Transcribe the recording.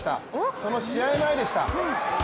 その試合前でした。